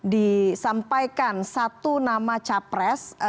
disampaikan satu nama capres